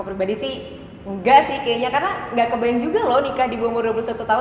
jadi sih nggak sih kayaknya karena nggak kebayang juga loh nikah di umur dua puluh satu tahun jadi kayak no deh kayaknya buat aku